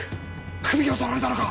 首を取られたのか！？